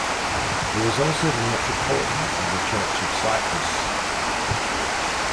He was also the Metropolitan of the Church of Cyprus.